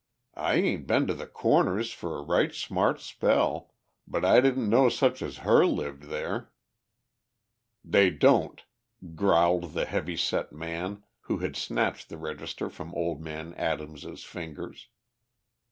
"I ain't been to the Corners for a right smart spell, but I didn't know such as her lived there." "They don't," growled the heavy set man who had snatched the register from old man Adams' fingers.